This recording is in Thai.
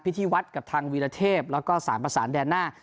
ที่วัดกับทางวีรเทพแล้วก็สารประสานแดนหน้า